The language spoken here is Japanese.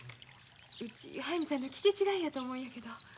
うち速水さんの聞き違いやと思うんやけど。